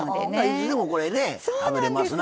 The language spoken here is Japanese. いつでもこれね食べれますな。